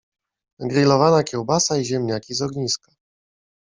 grilowana kiełbasa i ziemniaki z ogniska